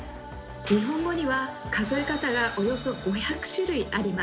日本語には数え方がおよそ５００種類あります。